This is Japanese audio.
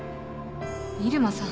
入間さん。